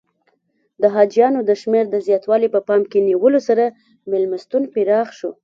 د حاجیانو د شمېر د زیاتوالي په پام کې نیولو سره میلمستون پراخ شو.